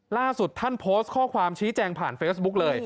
ล่าสุดท่านโพสต์ข้อความชี้แจงผ่านเฟซบุ๊กเลย